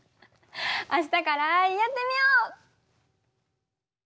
明日からやってみよう！